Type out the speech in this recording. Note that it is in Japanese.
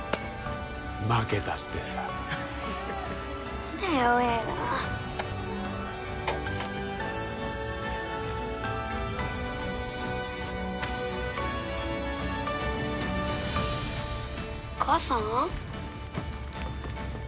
負けたってさ何だ弱えな母さん？